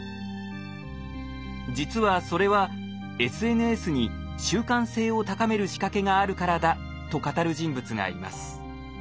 実はそれはＳＮＳに習慣性を高める仕掛けがあるからだと語る人物がいます。